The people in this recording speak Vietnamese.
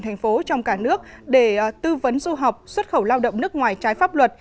thành phố trong cả nước để tư vấn du học xuất khẩu lao động nước ngoài trái pháp luật